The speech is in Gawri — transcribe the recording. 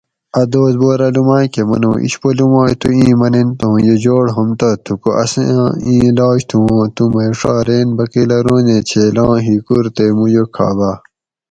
"اۤ دوس بورہ لومائ کہۤ منو "" اشپو لومائ تو ایں منینت اوں یہ جوڑ ہومتہ تھوکو اساں ایں علاج تھو ا ُوں تو مئ ڛا رین بقیل اَ روںزیں چھیلاں ھیکور تے موُیوُ کھاۤباۤ"